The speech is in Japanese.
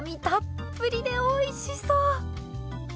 たっぷりでおいしそう！